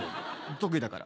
得意だから。